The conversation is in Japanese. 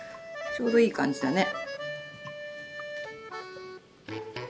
ちょうどいい感じだね。